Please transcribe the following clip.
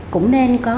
cũng nên có